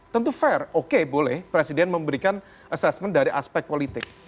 tentu fair oke boleh presiden memberikan assessment dari aspek politik